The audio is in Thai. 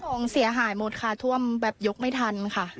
ของเสียหายหมดค่ะท่วมแบบยกไม่ทันค่ะ